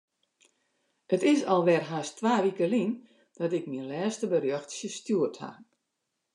It is alwer hast twa wike lyn dat ik myn lêste berjochtsje stjoerd haw.